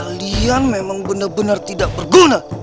kalian memang benar benar tidak berguna